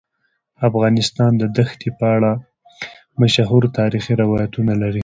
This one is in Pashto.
افغانستان د دښتې په اړه مشهور تاریخی روایتونه لري.